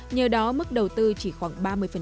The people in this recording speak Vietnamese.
nhờ đó mức đầu tư chỉ khoảng ba mươi